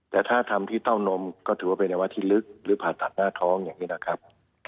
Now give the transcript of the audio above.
แต่ถ้าทำที่เต้านมก็ถือว่าเป็นในวัดที่ลึกหรือผ่าตัดหน้าท้องอย่างนี้นะครับ